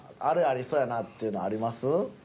あれありそうやなっていうのあります？